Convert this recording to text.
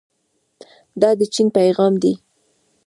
دا د چین پیغام دی.